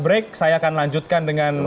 break saya akan lanjutkan dengan